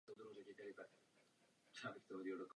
Obsahuje hlavně prodejny a provozy mezinárodních značek.